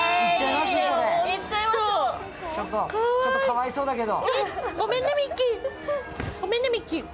ちょっとかわいそうだけど。